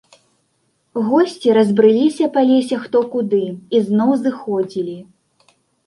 Госці разбрыліся па лесе хто куды і зноў зыходзілі.